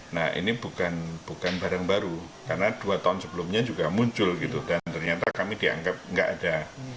nah ini bukan barang baru karena dua tahun sebelumnya juga muncul gitu dan ternyata kami dianggap nggak ada